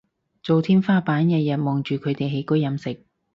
做天花板日日望住佢哋起居飲食